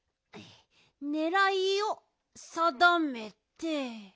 ねらいをさだめて。